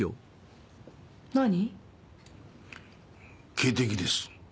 警笛です。